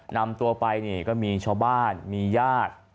นำตัวไปนี่ก็มีชาวบ้านมีญาติ